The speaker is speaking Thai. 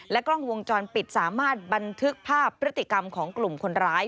กล้องวงจรปิดสามารถบันทึกภาพพฤติกรรมของกลุ่มคนร้าย